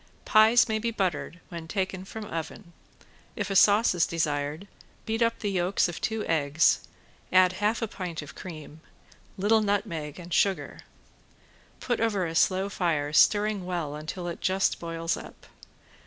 Pies may be buttered when taken from oven. If a sauce is desired, beat up the yolks of two eggs, add half pint of cream, little nutmeg and sugar. Put over a slow fire, stirring well until it just boils up.